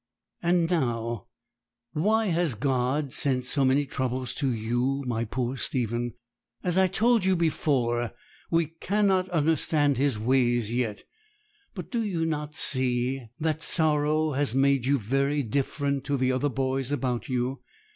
'And now, why has God sent so many troubles to you, my poor Stephen? As I told you before, we cannot understand His ways yet. But do not you see that sorrow has made you very different to the other boys about you?